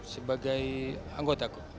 sebagai anggota aku